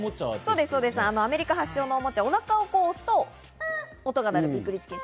アメリカ発祥のおもちゃ、お腹を押すと音が鳴るびっくりチキン。